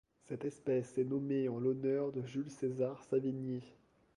Cette espèce est nommée en l'honneur de Jules-César Savigny.